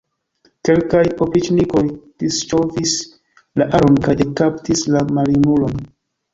Kelkaj opriĉnikoj disŝovis la aron kaj ekkaptis la maljunulon.